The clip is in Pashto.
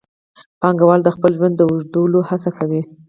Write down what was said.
پانګوال د خپل ژوند د اوږدولو هڅه کوي